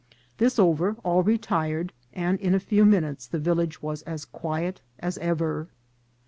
This over, all retired, and in a few min utes the village was as quiet as ever.